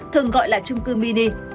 thường gọi là trung cư mini